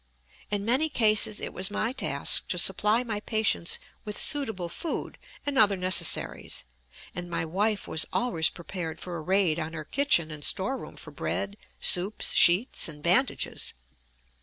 In many cases it was my task to supply my patients with suitable food and other necessaries, and my wife was always prepared for a raid on her kitchen and storeroom for bread, soup, sheets, and bandages.